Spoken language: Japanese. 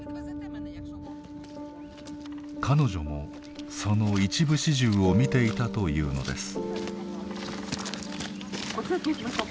彼女もその一部始終を見ていたというのです。